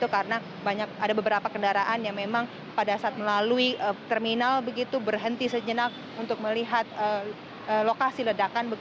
karena ada beberapa kendaraan yang memang pada saat melalui terminal begitu berhenti sejenak untuk melihat lokasi ledakan